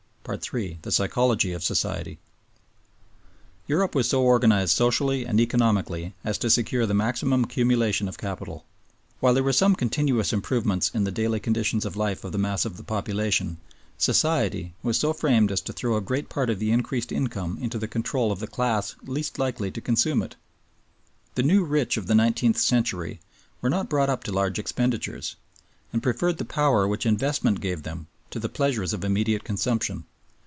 III. The Psychology of Society Europe was so organized socially and economically as to secure the maximum accumulation of capital. While there was some continuous improvement in the daily conditions of life of the mass of the population, Society was so framed as to throw a great part of the increased income into the control of the class least likely to consume it. The new rich of the nineteenth century were not brought up to large expenditures, and preferred the power which investment gave them to the pleasures of immediate consumption.